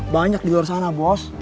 banyak di luar sana bos